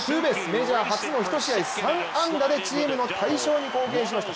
メジャー初の１試合３安打で、チームの大勝に貢献しました。